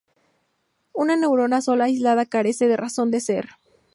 Una neurona sola y aislada carece de razón de ser.